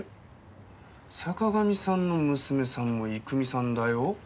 坂上さんの娘さんも郁美さんだよ。